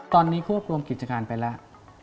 ตอนนี้ควบรวมกิจการไปแล้ว